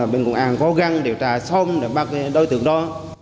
bệnh quản án cố gắng điều tra xong để bắt đối tượng đó